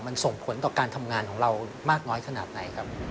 มันส่งผลต่อการทำงานของเรามากน้อยขนาดไหนครับ